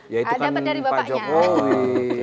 ya itu kan pak jokowi